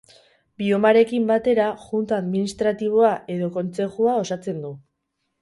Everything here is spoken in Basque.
Miomarekin batera junta administratiboa edo kontzejua osatzen du.